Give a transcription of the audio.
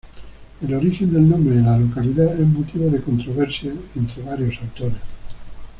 El origen del nombre de la localidad es motivo de controversia entre varios autores.